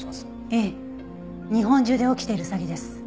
ええ日本中で起きている詐欺です。